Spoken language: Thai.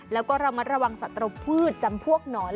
แล้วก็ระมัดระวังศัตรูพืชจำพวกหนอน